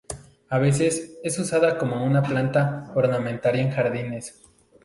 A veces, es usada como una planta ornamental en jardines.